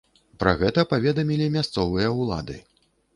Пра гэта паведамілі мясцовыя ўлады.